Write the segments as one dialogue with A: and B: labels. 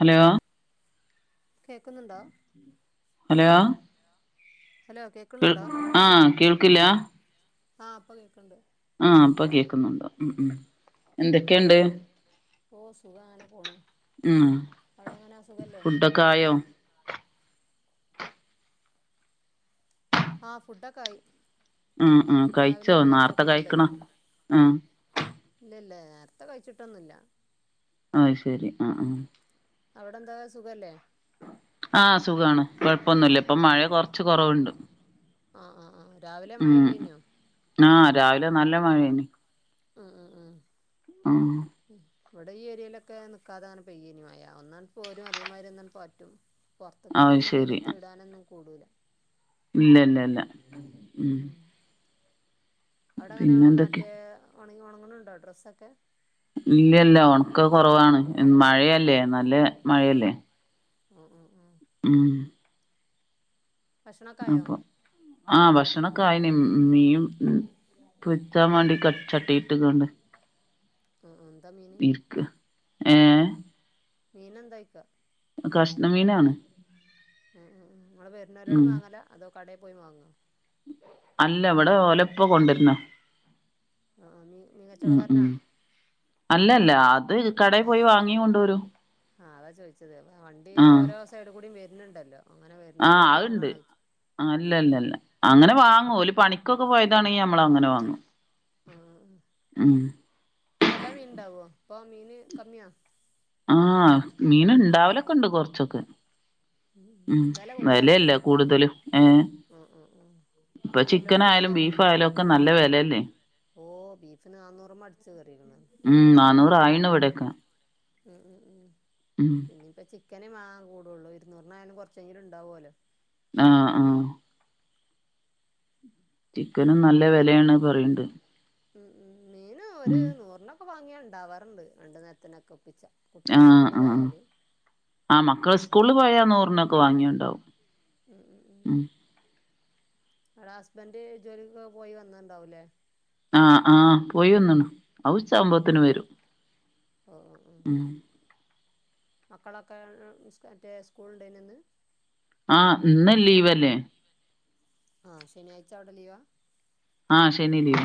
A: Hello
B: കേൾക്കുന്നുണ്ടോ
A: ഹലെയോ
B: hello കേ
A: കേൾ ആഹ് കേൾക്കില്ല
B: ആഹ് അപ്പൊ കേൾക്കണ്ട്
A: ആഹ് അപ്പൊ കേൾക്കുന്നുണ്ട് ഉം ഉം എന്തൊക്കെയണ്ട്
B: എന്തൊക്കെയണ്ട് ഓ സുഖാണ് പോണ് അവിടെങ്ങനാ സുഖല്ലേ
A: കായോം
B: ആഹ് ഫുഡൊക്കായി
A: ഉം ഉം കഴിച്ചോ നേർത്തെ കഴിക്കണോ ഉ
B: ളം ഇല്ല ഇല്ല നേരത്തെ കഴിച്ചിട്ടൊന്നുമില്ല
A: ആഹ് ശരി ആഹ് ആഹ്
B: അവിടെ എന്താ സുഖല്ലേ
A: ആഹ് സുഖമാണ് കുഴപ്പൊന്നുമല്ല ഇപ്പൊ മഴ കുറച്ച് കുറവുണ്ട്
B: ആഹ് ആഹ് ആഹ് രാവിലെ മഴ ഇല്ലേനോ
A: ആഹ് രാവിലെ നല്ല മഴേണ്ട്
B: ആ ആ ആ
A: മം
B: ഇവിടെ ഈ ഏരിയലൊക്കെ നൽക്കാതെങ്ങെ പെയ്യനി മയാ ഒന്നാൽ അങ്ങ് പോരും അതേമാതിരി എന്നന്നാൽ പറ്റും
A: അത്
B: പൊറത്തേക്കൊന്നും
A: ശരി
B: വെയിലത്ത് ഇടാനൊന്നും കൂടൂല
A: ഇല്ല ഇല്ല ഇല്ല ഉം
B: അവിടെ അങ്ങനെ
A: പിന്നെ എന്തൊക്കെ
B: മറ്റേ ഉണങ്ങി ഉണങ്ങണണ്ടോ ഡ്രസ്സൊക്കെ
A: ഇല്ലല്ല ഉണക്ക കുറവാണ് മഴയല്ലേ നല്ല മഴയല്ലേ
B: ഉം ഉം ഉം
A: ഉം
B: ഭക്ഷണൊക്കെ ആയോ
A: അപ്പൊ ആഹ് ഭക്ഷണക്കൊയന മീയും ഉ പൊരിച്ചാൻ വേണ്ടി ചട്ടി ഇട്ടക്കണ്ട്
B: ആഹ് ആഹ് എന്താ മീന്
A: ഇക്ക് ആഏ
B: മീനന്തായക്ക
A: കഷ്ണമീനാണ്
B: ഉം ഉം ഉം നിങ്ങങ്ങള് വരുന്നവരോട്
A: ഉം
B: വാങ്ങല അതോ കടയിൽ പോയി വാങ്ങോ
A: അല്ല ഇവിടെ ഓലപ്പോ കൊണ്ടിരുന്ന
B: ആ മീ മീകച്ചോട കാരന
A: ഉം അല്ലല്ല അത് കടയിൽ പോയി വാങ്ങി കൊണ്ടുവരൂ
B: ആഹ് അതാ ചോദിച്ചത് അ വണ്ടി ഓരോ സൈഡ് കൂടും വരുന്നുണ്ടല്ലോ അങ്ങനെ
A: ആഹ്
B: വരുന്നോലോട്
A: അതുണ്ട്
B: വാങ്ങാണോ ചോയിച്ചു
A: അല്ലല്ലല്ല അങ്ങനെ വാങ്ങോല് പണി ക്കൊക്കെ പോയതാെങ്കിൽ നമ്മൾ അങ്ങന വാങ്ങും
B: ആഹ്
A: ഉം
B: എല്ലാ മീൻണ്ടാവോ അപ്പൊ മീന് കമ്മിയാ
A: ആഹ മീന്ണ്ടാവലൊക്കെണ്ട് കൊറച്ചൊക്കെ
B: ഉം ഉം
A: ഉ
B: വെല കൂടുതലാ
A: വെലല്ല കൂടുതലും ഏ
B: ആഹ് ആഹ് ആഹ്
A: പ്പൊ ചിക്കൻ
B: എല്ലോട്ത്തും
A: ആയാലും ബീഫയാലും ഒക്കെ നല്ല വിലയല്ലേ?
B: ഓ ബീഫിന് നാന്നൂറുമ്മ അടിച്ചു കേറിക്കണ്
A: ഉം നാന്നൂറായിണ് വിടക്ക.
B: അഹ അഹ ആഹാ
A: ഉം
B: പിന്നെ ഇപ്പ ചിക്കന് വാങ്ങാൻ കൂടുള്ളൂ ഇരുന്നൂറിനായാലും കുറച്ചെങ്കിലുംണ്ടാവുമല്ലോ
A: ആഹ് ആഹ് ചിക്കനും നല്ല
B: മീന്
A: വിലയാണ് പറയണ്ട്
B: ഉം ഉം മീൻ ഒരു നൂറിനൊക്കെ വാങ്ങിയാ ണ്ടാവാറുണ്ട്. രണ്ടു നേരത്തിനൊക്കെ ഒപ്പിച്ചാ. കുട്ടിയാള്
A: ആഹ്
B: സ്കൂള് പോയാല്
A: ആഹ് മക്കൾ സ്കൂളിൽ പോയാൽ നൂറിനൊക്കെ വാങ്ങിയണ്ടാവും
B: ഉം ഉം ഉം അവിടെ ഹസ്ബൻറ് ജോലിക്ക് പോയി വന്ന്ണ്ടാവൂല്ലേ
A: ആഹ് ആഹ് പോയി ഒന്നീണ് അവ്ച്ച
B: ഉം ഉം
A: ആഉമ്പത്തിന്
B: ഉം
A: വരും
B: ഓ ഓ ഓ
A: ഉം
B: മക്കളൊക്കെ മറ്റേ സ്കൂളിണ്ടേന്യോന്ന്
A: ആഹ് ഇന്ന് ലീവല്ലേ
B: ആ ശനിയാ്ച അവ്ടെ ലീവാ?
A: ആഹ ശെനി ലീവ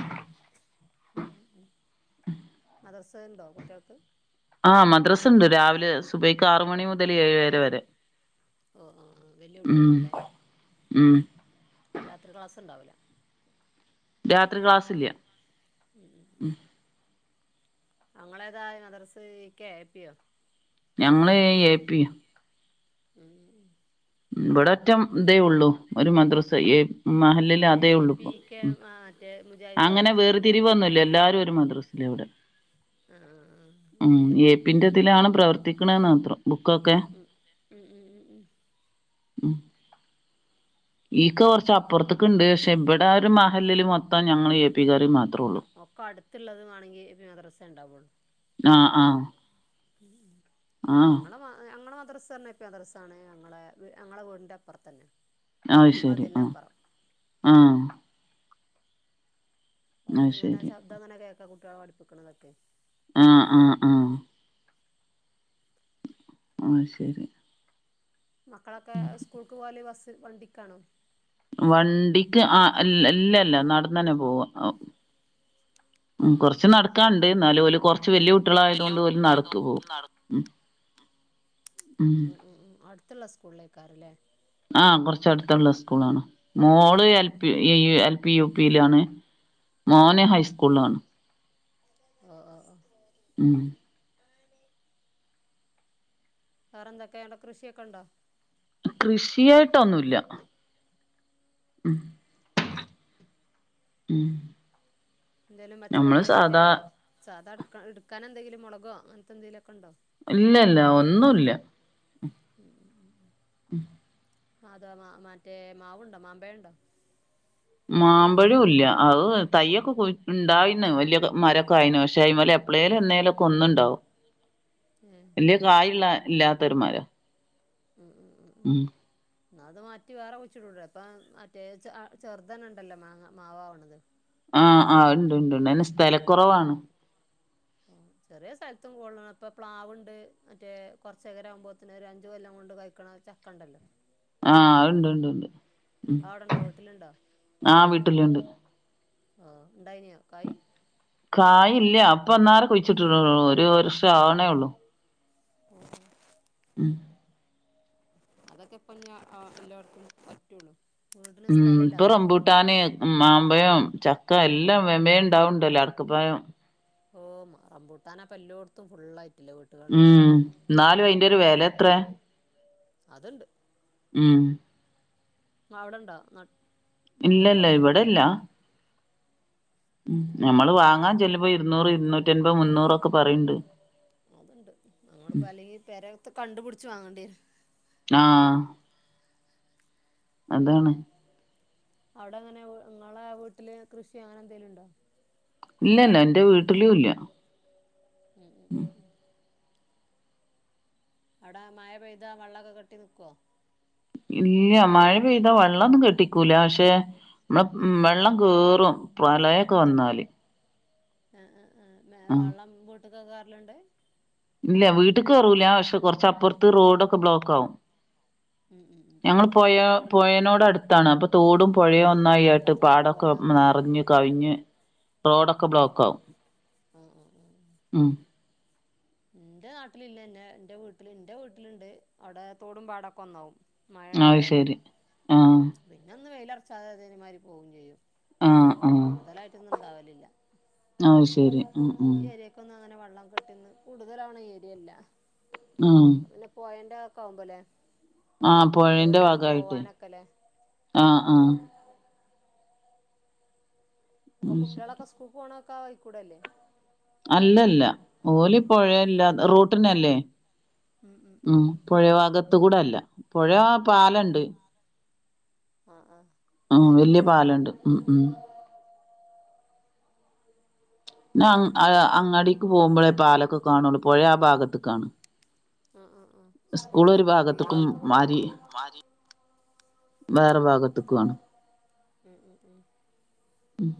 B: മ മ മദർസ ഉണ്ടോ കുട്ടികൾക്ക്
A: ആഹ് മദ്രാസ ഉണ്ട് രാവിലെ സുബൈയ്ക്ക് ആറ് മണി മുതൽ ഏഴര വരെ
B: ഓ ഓ ആഹ് വല്ല്യ കുട്ടികളാ അല്ലേ
A: ഉും
B: രാത്രി ക്ലാസ് ഉണ്ടാവില്ല
A: രാത്രി ക്ലാസില്ല.
B: ഉം ഉം അങ്ങളേതാ അദ്റസ് ഇകെ ഏപ്പിയോ
A: ഞങ്ങള് എ, പി,
B: ഹു ഉും
A: ഇവിടെ ഒറ്റം ഇതേ ഉള്ളൂ ഒരു മദ്രസ എ മഹല്ലിൽ
B: ഏഹ്
A: അതേ
B: ഈ
A: ഉള്ളൂപ്പ
B: പി കെ
A: ഉ
B: ആ മറ്റേ മുജാഹിദ്
A: അങ്ങനെ
B: അറിയാനൊന്നുല്ല
A: വേറിതിരിവോന്നില്ല. എല്ലാരും ഒരു മദ്രസില ഇവിടെ
B: ആഹ് ആഹ്
A: ഉും
B: അങ്ങനെണ്ടല്ലേ
A: ഏ പിന്റെതിലാണ് പ്രവർത്തിക്കണ്ന്ന് മാത്രം ബുക്കൊക്കെ
B: [unintelligible] ഉഹു ഉഹു ഉഹു ഉഹും
A: ഉും
B: [inaudible]
A: ഈക്കൊ കുറച്ച് അപ്പുറത്തേക്ക ഉണ്ട് പക്ഷെ ഇവിടെ ഒരു മഹല്ല് മൊത്തം ഞങ്ങൾ എ പി കാര് മാത്രേ ഉള്ളു
B: ഒക്ക അടുത്ത്ള്ളത് വാണങ്കി എ, പി മദ്റസ്സെണ്ടാവോള്ളൂ
A: ആഹ ആഹാ
B: ഉ ഉം ഞങ്ങളെ ഞങ്ങളെ മദ്രസന്നെ മദർസാണ് ഞങ്ങളെ ഞങ്ങളെ വീടിൻ്റെ അപ്പർത്തന്നെ.
A: ആഹ് ശരി ആഹ് ആഹ് അത്
B: അവിടന്ന്ങ്ങനെ
A: ശരി
B: ശബ്ദങ്ങന കേക്ക കുട്ടികളെ പഠ്പ്പിക്ക്ണതൊക്കെ
A: ആഹ ആഹ ആഹാ ആ ശെരി
B: മക്കളൊക്കെ സ്കൂൾക്ക് പോല് ബസ് വണ്ടിക്കാണോ?
A: വണ്ടിക്ക് ആഹ് ഇല്ലല്ല നടന്നന്നെ പോവ ഉ കുറച്ച് നടക്കാണ്ട് ന്നാലും ഓല് കുറച്ച് വല്യകു കുട്ടളായതൊണ്ട് ഓല് നടക്ക് പോകവും ഉും
B: ഉം ഉം ഉം അട്ത്ത്ള്ള ഇ സ്കൂളെയ്ക്കാരംല്ലേ.
A: ആഹ് കൊർച്ചട്ത്തുള്ള സ്കൂളാണ്
B: ഉം
A: മോള്
B: ഉം
A: എൽ
B: ഉം
A: പി ഈ എ എൽ പി യുപിയിലാണ് മോന് ഹൈസ്കൂളിലാണ്.
B: ആഹ് ആഹ് ആഹ്.
A: ഉം.
B: വെറെന്തക്കെയ എടെ കൃഷിയൊക്കെ ഇണ്ടോ
A: കൃഷിയായിട്ടൊന്നുല്ല. ഉം ഉം
B: എന്തേലും
A: നമ്മള്
B: പച്ചക്കറി മറ്റേ
A: സാധാ
B: സാധ ഇട്ക്ക ഇട്ക്കാനെന്തെങ്കിലും മോള്ഗോ അങ്ങൻത്തെ എന്തെങ്കിലുമൊക്കെണ്ടോ?
A: ഇല്ല ഇല്ല ഒന്നുല്ലാ.
B: [inaudible]
A: ഉം
B: അധവ മാ മറ്റേ മാവുണ്ടോ മാമ്പഴണ്ടോ
A: മാമ്പഴും ഇല്ല അയ് തയ്യൊക്കെപോയ്‌ ഇണ്ടായിന്ന് വല്ല്യ മരക്കൊയ്ന് പഷേ അയിമ്മലെപ്പേ പ്ലേലും എന്നേലുംക്കെ ഒന്ന്ണ്ടാവും.
B: ഏഹ്
A: [unintelligible] കായിള്ളെ ഇല്ലാത്തോരുമാരം.
B: ഉം ഉം ഉം ന്നാഅത് മാറ്റി വേറെ കുഴിച്ച്ട്ടൂടെ ഇപ്പ മറ്റേ അ ചെറുതന്നെണ്ടല്ലോ മാങ്ങ മാവവ്ണത്.
A: ആഹ് ആഹ് അയ്ണ്ട്ണ്ട്ണ്ട് അയിന് സ്ഥലക്കൊറവാണ്.
B: [unintelligible] ഞ്ച ചെറിയേ സ്ഥലത്ത് കൊള്ളണ ഇപ്പോ പ്ലാവ്ണ്ട് മറ്റേ കൊർച്ചേര ആവു മ്പോത്തിന് ഒരു അഞ്ച് കൊല്ലം കൊണ്ട് കഴിക്കണയ്. ചക്കണ്ടല്ലോ.
A: ആഅയ്ണ്ട് ഇണ്ട് ഇണ്ട്ണ്ട് ഉം
B: അവിടെണ്ടോ വീട്ടിലുണ്ടോ
A: ആഹ് വീട്ടില് ണ്ട്.
B: ആഹ് ഇണ്ടായിനിയോ കായി.
A: കായില്ല ഇപ്പന്നാരേ കുഴിച്ചിട്ടിടോള്ളൂ ഒരു വർഷം ആവണേള്ളൂ.
B: പോ [unintelligible]
A: [unintelligible]
B: അതൊക്കെ ഇപ്പ ഞാ അക്രിലോഡ്ക്കും പറ്റൊള്ളൂ.
A: ഉം ഇപ്പൊ റംബൂട്ടാന്. മ് മാമ്പയം, ചക്ക എല്ലാം വേം വേം ഇ ണ്ടാവ്ണ്ടല്ലോ അടക്കപ്പായം.
B: ഓ [unintelligible] റമ്പൂട്ടാനപ്പോ എല്ലോടത്തും ഫുളായിയിട്ട്ല്ലേ വ്ട്
A: ഉം ന്നാലും അയിന്റെ ഒരു വെലത്രേ
B: അത്ണ്ട്.
A: ഉം
B: അവ്ടെണ്ടോ നട്ട്
A: ഇല്ലല്ല
B: റംബൂട്ടാൻ്റെ മരം
A: ഇവടെല്ല. ഉം ഞമ്മള് വാങ്ങാൻ ചെലുംമ്പോ ഇരുന്നൂറ് ഇരുന്നൂറ്റി അൻ മ്പയ് മുന്നൂറൊക്കെ പറീണ്ട്
B: അത്ണ്ട് അങ്ങള്പ അല്ലെങ്കി പെരയ്ത്തെ കണ്ട് പുടച്ച് വാങ്ങണ്ടിരും.
A: ആഹ് അതാണ്.
B: അവ്ടെ എങ്ങനെ അവ് ഇങ്ങളെ വീട്ടില് കൃഷി അങ്ങനെ എന്തെലും ഉണ്ടോ?
A: ഇല്ലല്ലാ ഇന്റെ വീട്ടിലൂല്ലാ.
B: അഹ് അഹ് അഹ് ആഹ് അവ്ടെ മഴ പെയ്താ വെള്ളോക്കെ കെട്ടിനിക്കൊ
A: ഇല്ല മഴ പെയ്താ വെള്ളോന്നും കെട്ടിക്കൂല പഷേ. മ്മളം വെള്ളം കെറും പ്രളയക്കൊ വന്നാല്.
B: അഹ അഹ ആഹ്
A: ആഹ്
B: മെവള്ളം വീട്ടക്കൊക് കെർല്ണ്ട്.
A: ഇല്ല വീട്ട്ക്ക് കെറൂല പഷേ കൊർച്ചപ്പർത്ത് റോഡൊക്കെ ബ്ലോക്ക് ആവും.
B: ഉം ഉം ഉം ഉം
A: ഞങ്ങള്
B: അപ്പം
A: പൊയ
B: തോട്
A: പൊയേനോടടുത്താണ് അപ്പൊ തോടും
B: ആ
A: പൊയയും ഒന്നായാ
B: അപ്പം
A: ട്ട്
B: തോടും
A: പാടൊക്കെ
B: പുഴയും ഒന്നാവൂലേ
A: നെറഞ്ഞ് കവിഞ്ഞ് റോഡൊക്കെ ബ്ലോക്കാവും
B: ആഹ് ആഹ് ആഹ് ആഹ്
A: ഉം
B: ഇന്റെ നാട്ടില് ഇല്ലന്നെ ഇന്റെ വീട്ടില് ഇന്റെ വീട്ടില്ണ്ട് അവിടെ തോടും പാടൊക്കെ ഒന്നാവും
A: അത്
B: മഴണ്ടായാല്
A: ശരി ആഹ്
B: പിന്നെ ഒന്ന് വെയിലൊറച്ചാ അത് അതേമാതിരി പോവും ചെയ്യും
A: ആഹ്
B: കൂടുതലായിട്ടൊന്നും ഉണ്ടാവലില്ല
A: ആഹ് ശരി ഉം ഉം
B: ഇപ്പൊന്ന് അങ്ങനെ വെള്ളം കെട്ടിന്ന് കൂടുതലാക്ണ ഏര്യല്ലാ
A: ഉം
B: അത് പിന്നെ പോയന്റവക്കെ ആകുമ്പൊല്ലേ
A: ആഹ് പൊഴേന്റെ
B: പേടിയാണ്
A: ഭാഗായിട്ട്
B: പോവാനൊക്കെല്ലേ
A: ആഹ് ആഹ്
B: അപ്പൊ
A: അത് ശ
B: കുട്ടിയളൊക്കെ സ്കൂക്ക് പോണൊക്കെ അയിക്കൂടല്ലേ
A: അല്ലല്ല ഓല്
B: ഉം
A: പൊഴിയല്ല റോട്ടിനല്ലേ ഉം പൊഴ ഭാഗത്ത് കൂടല്ല പൊഴ പാലണ്ട്
B: ആഹ് ആഹ്
A: ആഹ് വല്ല്യ പാലണ്ട് ഉം ഉം നാം ആയ അങ്ങാടിക്ക് പോകുമ്പഴേ പാലൊക്കെ കാണുള്ളൂ പൊയ ആ ഭാഗത്ത്ക്കാണ്
B: ആ ആ സ്കൂളും
A: ഇസ്കൂള് ഒരു
B: ഇതൊക്കെ ഈ
A: ഭാഗത്ത്ക്കും
B: ഭാഗത്ത് കൂടെല്ലേ
A: മാരി വേറെ ഭാഗത്തുക്കാണ്
B: ഉം ഉം ഉം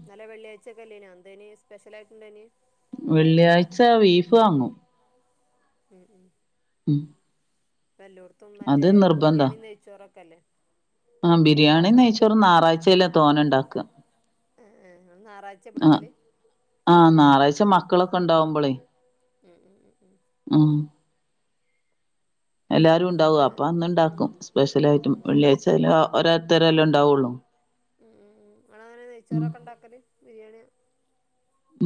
B: ഇന്നലെ വെള്ളിയാഴ്ചൊക്കെല്ലേനൊ എന്തേനി സ്പെഷ്യലായിട്ട്ണ്ടേനി
A: വെള്ളിയാഴ്ച വീഫ് വാങ്ങും
B: ഉം ഉം
A: ഉം
B: ഇപ്പല്ലോടത്തും മറ്റേ
A: അത്
B: ബിരിയാണീം നെയ്ച്ചോറൊക്കല്ലേ
A: ആഹ് ബിരിയാണീം നെയ്ച്ചോറും നാറാഴ്ച്ചേലാ തോനെണ്ടാക്കാ
B: ഏഹ് ഏഹ് ഇങ്ങള് ന്നാറായി
A: ആഹ് ആഹ് ഞായറാഴ്ച
B: കു
A: മക്കളൊക്കെ ഒണ്ടാവുബളേ
B: ഉം ഉം ഉം ഉം
A: ആഹ് എല്ലാരും
B: അത്
A: ഉണ്ടാവും അപ്പം
B: ഉം
A: അന്ന്ണ്ടാക്കും സ്പെഷ്യലായിട്ടും
B: ഉം ഉം
A: വെള്ളിയാഴ്ച [unintelligible] ഒരോത്തരല്ലേ ഇണ്ടാവുള്ളൂ
B: ഉം ഉം ഉം ഇങ്ങളെങ്ങനാ നെയ്ച്ചോറൊക്കെ ഇണ്ടാക്കല് ബിരിയാണിയോ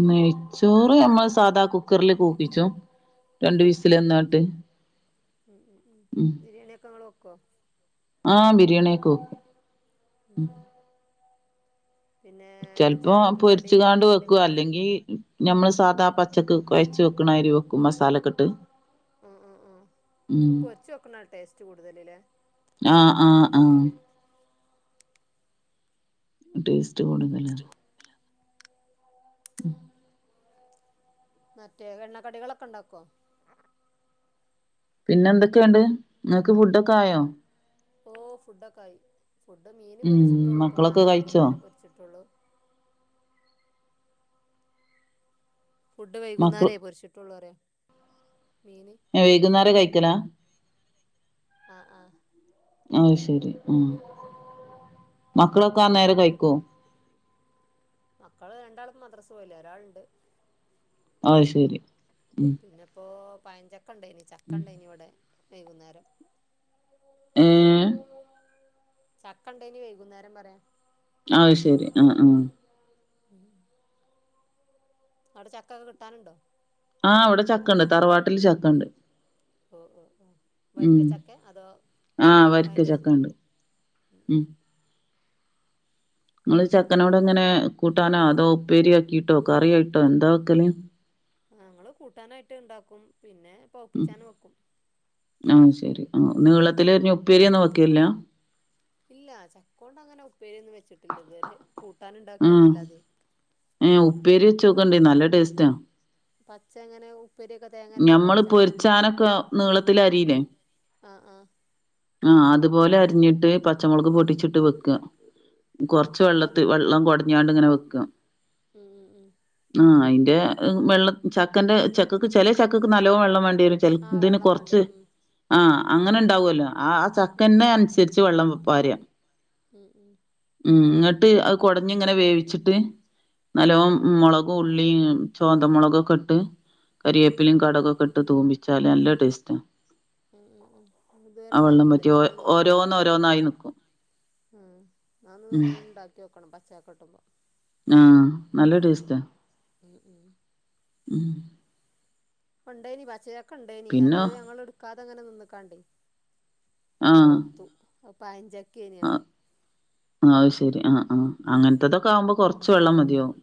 A: നെയ്ച്ചോറ് നമ്മള് സാധാ കുക്കറിൽ കൂക്കിച്ചും രണ്ട് വിസിലന്നാട്ട്
B: ഉം ഉം ഉം ബിരിയാണിയൊക്കെ ഇങ്ങള് വെക്കോ
A: ആ ബിരിയാണിയൊക്കെ വെക്കും
B: ഉം ഉം പിന്നെ
A: ചെല്പ്പോ
B: ചായക്ക് കടി
A: പൊരിച്ചുകാണ്ട്
B: എണ്ണക്കടി
A: വെക്കു അല്ലെങ്കി ഞമ്മൾ സാധാ പച്ചക്ക് കുഴച്ച് വെക്കണാതിരി വെക്കും മസാലക്കിട്ട്
B: ഉം ഉം ഉം പൊരിച്ച് വെക്കണ ടേസ്റ്റ് കൂടുതല്ല്ലേ
A: ആഹ് ആഹ് ആഹ് ടേസ്റ്റ് കൂടുതലാന്ന് ഉം
B: മറ്റേ വെണ്ണക്കടികളൊക്കെ ഇണ്ടാക്കോ
A: പിന്നെന്തൊക്കെയുണ്ട് ഇങ്ങക്ക് ഫുഡൊക്കായോ
B: ഓഹ് ഫുഡ്ഡൊക്കായി ഫുഡ് മീൻ
A: ഉം
B: പൊരിച്ചിട്ടുള്ളൂ
A: മക്കളൊക്കെ
B: ഇപ്പന്നാരം
A: കഴിച്ചോ
B: വൈകുന്നേരം പൊരിച്ചിട്ടൊള്ളൂ ഫുഡ്
A: മക്കൾ
B: വൈകുന്നേരേ പൊരിച്ചിട്ടുള്ളൂറിയ മീന്
A: വൈകുന്നേര കഴിക്കലാ
B: വൈകുന്നേര കഴിക്കലാ ആഹ് ആഹ്
A: അയ് ശെരി ഉം മക്കളൊക്കെ അന്നേരം കഴിക്കോ
B: മക്കള് രണ്ടാളും മദ്രസ പോയില്ലേ ഒരാള്ണ്ട്
A: ആഹ് ശരി ഉം
B: പിന്നെപ്പോ പയഞ്ചക്കണ്ടായ്നി ചക്കണ്ടയ്നി ഇവടെ വെയ്കുന്നേരം.
A: ഏഹ്
B: ചക്കണ്ടെയ്നി വെയ്കുന്നേരം പറയാ
A: അഹ് ശെരി ആഹ് ആഹ്
B: [inaudible] ആടെ ചക്കൊക്കെ കിട്ടാന്ണ്ടോ?
A: ആഹ് ഇവടെ ചക്കണ്ട് തറവാട്ടില് ചക്കണ്ട്.
B: ഓഹ് ഓഹ് ഓഹ്
A: ഉം
B: വരിക്കച്ചക്കെ അതോ
A: ആഹ് വരിക്ക
B: പയങ്കച
A: ചക്കണ്ട് ഇങ്ങള് ചക്കനോടെങ്ങനെ കൂട്ടാനോ അതോ ഉപ്പേരി ആക്കിട്ടോ കറിയായിട്ടോ എന്താവെക്കല്?
B: ഞങ്ങൾ കൂട്ടാനായിട്ട്ണ്ടാക്കും പിന്നെ പവുപ്പിച്ചാനും വെക്കും.
A: ആഹ് ശെരി ആഹ് നീളത്തിലരിഞ് ഉപ്പേരിയൊന്നും വെക്കേല്ല
B: ഇല്ല ചക്കോണ്ട് അങ്ങനെ ഉപ്പേരിയൊന്നും വെച്ച്ട്ടില്ല ഇത് വെരെ കൂട്ടാനിണ്ടാക്കാന്നല്ലാതെ.
A: ഏഹ് ഉപ്പേരിവെച്ചോക്കൊണ്ടി നല്ല ടേസ്സ്റ്റാ
B: പച്ച എങ്ങനേവും ഇപ്പേരിക്കെ തേ
A: ഞമ്മള് പൊരിച്ചാനൊക്കെ നീളത്തില് അരീലെ
B: ആഹ് ആഹ്
A: ആഹ് അതുപോലെ അരിഞ്ഞിട്ട് പച്ചമൊളക് പൊട്ടിച്ചിട്ട് വെക്ക. കൊർച്ച്
B: അപ്പൊ
A: വെള്ളത്ത്
B: അത്
A: വെള്ളം കൊടഞ്ഞാണ്ട്ങ്ങനെ
B: കൊറ
A: വെക്ക
B: ഉം ഉം ഉം
A: അഹ് അയിന്റെ വെള്ളം ചക്കന്റെ ചക്കക്ക് ചെലേ ചക്കക്ക് നല്ലോവെള്ളം വേണ്ടിരും
B: ആഹ്
A: ചെൽതിന്
B: വെള്ളം
A: കൊർച്ച്
B: വേണ്ടിവരും
A: ആഹ് അങ്ങനെണ്ടാവോലോ ആ
B: ഉം
A: ചക്കന്റെ
B: ഉം
A: അൻസരിച് വെള്ളം പാര
B: ഉം ഉം
A: ഉം ഇങ്ങട്ട് അത് കൊടഞ്ഞിങ്ങനെ വേവിച്ചിട്ട് നല്ലോം മൊളകും ഉള്ളി ചോന്തമൊളകൊക്കെട്ട് കരിയേപ്പിലിം കട്കൊക്കെട്ട് തൂമിച്ചാല് നല്ലെ ടേസ്റ്റാ
B: ഉം ഉം ഉം
A: ആ വെള്ളം
B: ഇതുവരേണ്ടാക്കില്ല
A: വറ്റി ഓ
B: ഇഞ്ഞിയൊന്ന്
A: ഓരോന്ന്
B: നോക്ക്യോക്കണം.
A: ഓരോന്നായി നിക്കും
B: അഹ് അതൊന്ന്
A: ഉം
B: [unintelligible] ഇണ്ടാക്ക്യോക്കണം പച്ച ചക്ക കിട്ടുമ്പോ.
A: ആഹ് നല്ല ടേസ്സ്റ്റാ
B: ഉം ഉം
A: ഉം
B: ഇപ്പണ്ടേയ്നി പച്ചചക്ക ഇണ്ടായിനി അത്
A: പിന്നെ
B: ഞങ്ങള് ഇട്ക്കാതങ്ങനെ നിന്ന്ക്കാണ്ടെയ്
A: ആഹ്
B: പൗത്തു. അത് പയഞ്ചക്കേനിയോ
A: അഹ് ശെരി ആഹ് ആഹ് അങ്ങൻത്തതൊക്കെ ആവുമ്പോ കൊർച്ച് വെള്ളം മതിയാവും.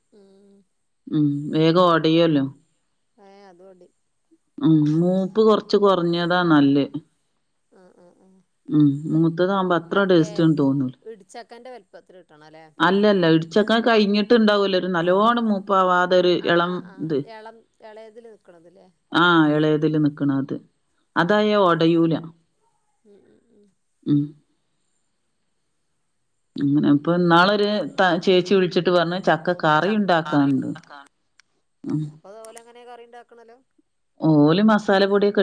B: ഉം
A: ഉം വേഗം ഒടയ്യോല്ലോ
B: ഏഹ് അതൊടി
A: ഉം മൂപ്പ് കൊർച്ച് കൊറഞ്ഞതാ നല്ല്
B: ആഹ് ആഹ് ആഹ്
A: ഉം മൂത്തതാവുമ്പോ അത്ര
B: മരക്കേ
A: ടേസ്റ്റൊന്നും തോന്നൂല.
B: ഇടിച്ചക്കന്റെ വലുപ്പത്തിൽ കിട്ടണല്ലേ
A: അല്ലല്ല ഇട് ച്ചൊക്കെ കഴിഞ്ഞിട്ട്ണ്ടാവൂലോ ഒര് നല്ലോണം മൂപ്പാവാ
B: ആഹ് ആഹ് ആഹ് എളം എളേതില് നിൽക്ക്ണത് ലേ
A: ആഹ് എളേതില് നിക്ക്ണത്.
B: അതായോട് ഉം ഉം ഉം
A: ഉം അങ്ങനെ അപ്പോന്നാളൊര് താ ചേച്ചി വിളിച്ചിട്ട് പറഞ്ഞ് ചക്ക കറി ഇണ്ടാക്കാണ്ട്. അഹ്
B: അതോലങ്ങനെ കറിണ്ടാക്കണ്ലോ?
A: ഓല് മസാലപൊടിയൊക്കെ